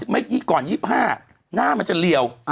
เมื่อกี้ก่อน๒๕หน้ามันจะเรียว